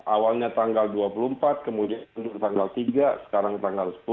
awalnya tanggal dua puluh empat kemudian untuk tanggal tiga sekarang tanggal sepuluh